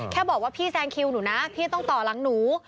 แค่บอกว่าพี่แซงคิวหนูนะพี่ต้องต่อหลังหนู